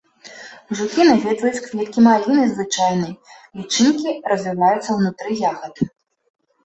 Жукі наведваюць кветкі маліны звычайнай, лічынкі развіваюцца ўнутры ягад.